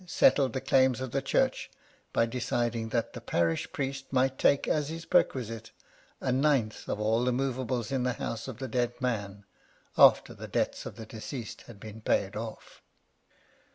settled the claims of the Church by deciding that the parish priest might take as his perquisite a ninth of all the movables in the house of the dead man, after the debts of the deceased had been paid off.